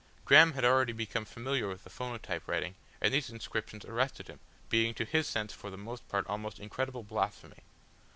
Graham had already become familiar with the phonotype writing and these inscriptions arrested him, being to his sense for the most part almost incredible blasphemy.